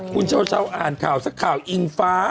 คุณเช้าอ่านข่าวสักข่าวอิงฟ้า